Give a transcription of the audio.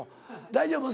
大丈夫？